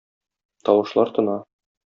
Тавышлар тына.